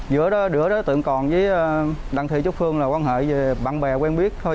giữa đứa đối tượng còn với đặng thị trúc phương là quan hệ về bạn bè quen biết thôi